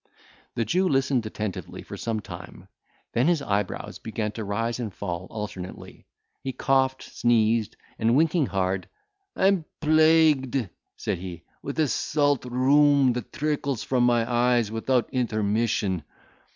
The Jew listened attentively for some time; then his eyebrows began to rise and fall alternately; he coughed, sneezed, and winking hard, "I'm plagued," said he, "with a salt rheum that trickles from my eyes without intermission."